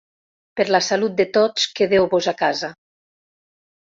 Per la salut de tots, quedeu-vos a casa.